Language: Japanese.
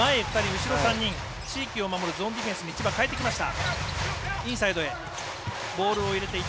地域を守るゾーンディフェンスに千葉は変えてきました。